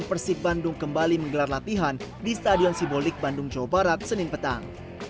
persib bandung kembali menggelar latihan di stadion simbolik bandung jawa barat senin petang